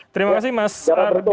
terima kasih mas ardi